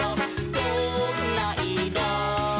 「どんないろ？」